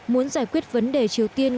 muốn giải quyết vấn đề triều tiên